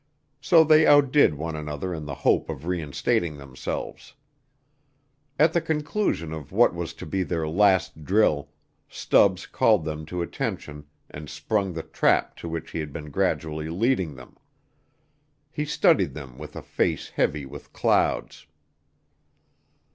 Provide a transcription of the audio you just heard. So they outdid one another in the hope of reinstating themselves. At the conclusion of what was to be their last drill Stubbs called them to attention and sprung the trap to which he had been gradually leading them. He studied them with a face heavy with clouds.